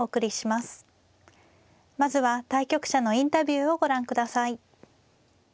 まずは対局者のインタビューをご覧ください。